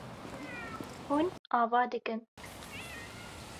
Hûn ava dikin.